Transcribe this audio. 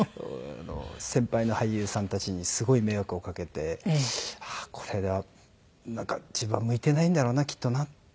先輩の俳優さんたちにすごい迷惑をかけてああこれはなんか自分は向いてないんだろうなきっとなって。